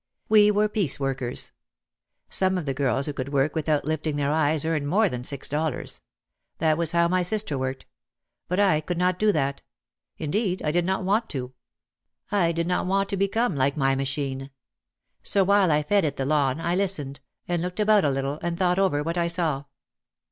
We were piece workers. Some of the girls who could work without lifting their eyes earned more than six dollars. That was how my sister worked. But I could not do that ! Indeed, I did not want to. I did not want 290 OUT OF THE SHADOW to become like my machine. So while I fed it the lawn I listened, and looked about a little and thought over what I saw.